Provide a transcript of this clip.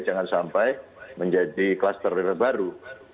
jangan sampai menjadi kluster baru